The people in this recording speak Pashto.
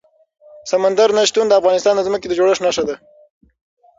سمندر نه شتون د افغانستان د ځمکې د جوړښت نښه ده.